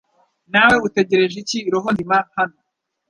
Nawe utegereje iki roho nzima hano